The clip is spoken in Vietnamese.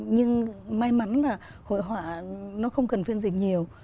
nhưng may mắn là hội họa nó không cần phiên dịch nhiều